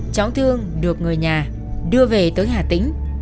cháu thương được người nhà đưa về tới hà tĩnh